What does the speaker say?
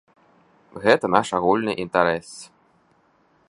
Гэта наш агульны інтарэс.